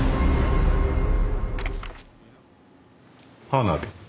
花火。